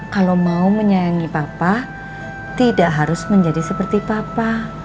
kalau mau menyayangi papa tidak harus menjadi seperti papa